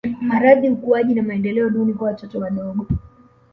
Maradhi ukuaji na maendeleo duni kwa watoto wadogo